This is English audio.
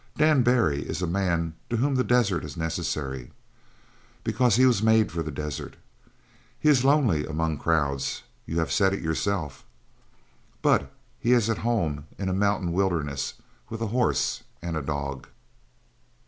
Daniel Barry is a man to whom the desert is necessary, because he was made for the desert. He is lonely among crowds you have said it yourself but he is at home in a mountain wilderness with a horse and a dog."